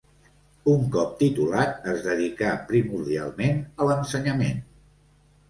Un cop titulat es dedicà primordialment a l'ensenyament.